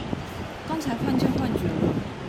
剛才看見幻覺了！